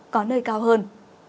có nơi cao hơn